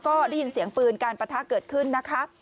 ก็ได้ยินเสียงปืนการประทะเกิดขึ้นนะคะ